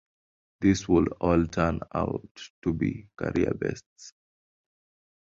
These would all turn out to be career bests.